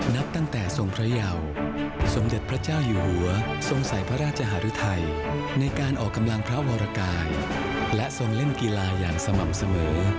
นับตั้งแต่ทรงพระเยาสมเด็จพระเจ้าอยู่หัวทรงใส่พระราชหารุทัยในการออกกำลังพระวรกายและทรงเล่นกีฬาอย่างสม่ำเสมอ